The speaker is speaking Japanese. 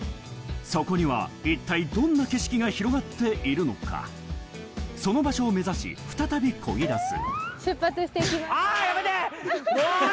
そこには一体どんな景色が広がっているのか、その場所を目指し、再びこぎ出す。